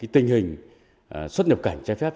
tình hình xuất nhập cảnh trái phép